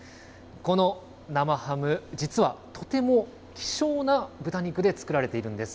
この生ハム、実はとても希少な豚肉で作られているんです。